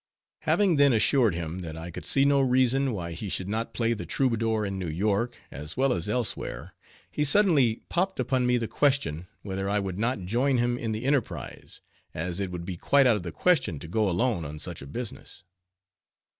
Having then assured him, that I could see no reason, why he should not play the troubadour in New York, as well as elsewhere; he suddenly popped upon me the question, whether I would not join him in the enterprise; as it would be quite out of the question to go alone on such a business.